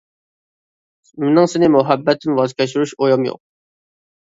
-مېنىڭ سېنى مۇھەببەتتىن ۋاز كەچۈرۈش ئويۇم يوق.